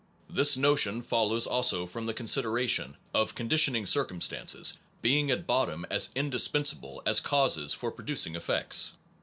2 This notion follows also from the consideration of conditioning cir cumstances being at bottom as indispensable as causes for producing effects.